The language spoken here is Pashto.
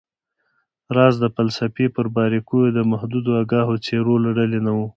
راز د فلسفې پر باریکیو د محدودو آګاهو څیرو له ډلې نه و